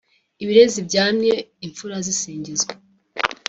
ibirezi byamye: imfura zisingizwa